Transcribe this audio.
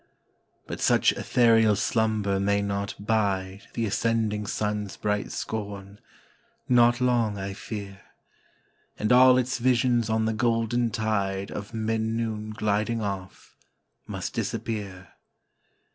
But such ethereal slumber may not bide The ascending sun's bright scorn not long, I fear; And all its visions on the golden tide Of mid noon gliding off, must disappear.